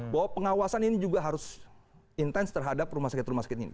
bahwa pengawasan ini juga harus intens terhadap rumah sakit rumah sakit ini